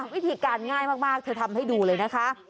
วิธีการง่ายมากเธอทำให้ดูเลยนะคะ